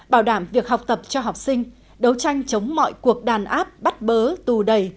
bảo đảm việc học tập cho học sinh đấu tranh chống mọi cuộc đàn áp bắt bớ tù đầy